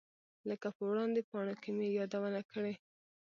لکه په وړاندې پاڼو کې مې یادونه کړې.